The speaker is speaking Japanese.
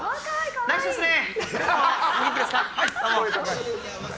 ナイスですね！